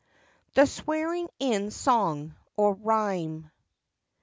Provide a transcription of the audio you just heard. THE SWEARING IN SONG OR RHYME.